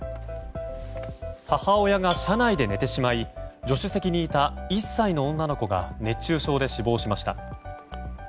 母親が車内で寝てしまい助手席にいた１歳の女の子が熱中症で死亡しました。